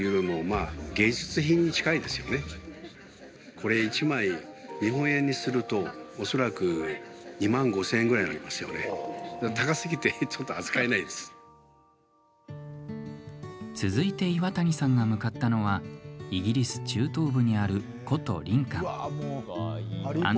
これ１枚日本円にすると、恐らく続いて岩谷さんが向かったのはイギリス中東部にある古都、リンカン。